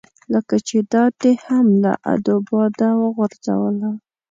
لکه چې دا دې هم له ادو باده غورځوله.